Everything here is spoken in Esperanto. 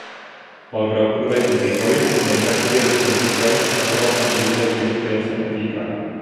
Malgraŭ pluraj indikoj, niaj karteziaj sciencistoj ankoraŭ antaŭjuĝas ĝin kiel senefikan.